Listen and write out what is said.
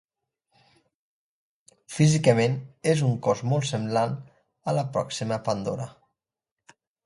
Físicament és un cos molt semblant a la pròxima Pandora.